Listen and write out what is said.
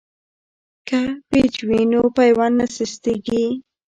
که پیچ وي نو پیوند نه سستیږي.